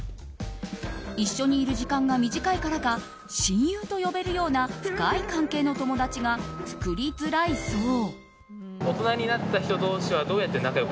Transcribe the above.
一緒にいる時間が短いからか親友と呼べるような深い関係の友達が作りづらいそう。